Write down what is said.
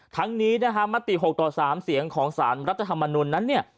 ทั้งนี้นะฮะมติ๖ต่อ๓เสียงของสารรัฐธรรมนุนนั้นเนี่ย